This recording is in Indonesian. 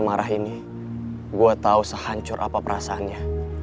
semarah ini gue tau sehancur apa perasaannya